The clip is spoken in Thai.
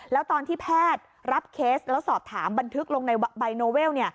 แล้วตอนที่แพทย์รับเคสแล้วสอบถามบันทึกลงในใบโนเวล